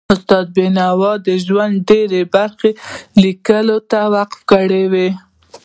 استاد بینوا د ژوند ډېره برخه لیکلو ته وقف کړي وه.